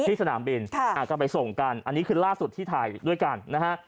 สนามบินก็ไปส่งกันอันนี้คือล่าสุดที่ถ่ายด้วยกันนะฮะ